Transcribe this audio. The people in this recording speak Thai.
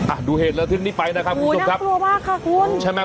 อ่ะดูเหตุละทึกนี้ไปนะครับนางกลัวมากค่ะคุณ